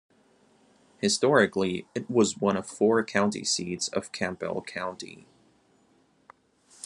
Historically, it was one of four county seats of Campbell County.